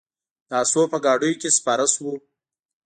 د آسونو په ګاډیو کې سپاره شوو.